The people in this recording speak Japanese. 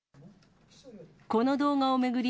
この動画を巡り